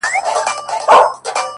هغه به څرنګه بلا وویني،